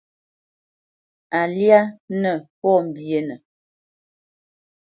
A lyá nə pɔ̌ mbyénə.